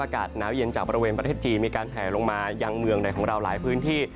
อากาศหนาวเย็นจากบริเวณประเทศจีนมีการแผลลงมายังเมืองไหนของเราหลายพื้นที่